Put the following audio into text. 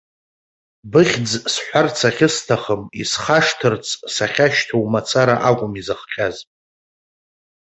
Быхьӡ сҳәарц ахьысҭахым, исхашҭырц сахьашьҭоу мацара акәым изыхҟьаз.